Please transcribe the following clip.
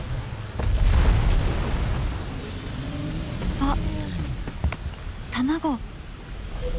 あっ卵！